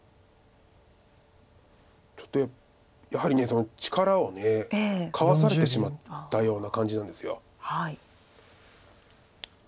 ちょっとやはり力をかわされてしまったような感じなんです。